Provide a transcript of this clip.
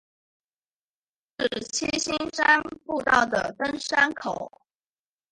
是七星山步道的登山口。